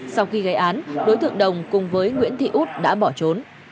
sau khi gây án đối tượng đồng cùng với nguyễn thị út đã bỏ trốn